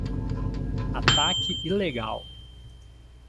Ataque ilegal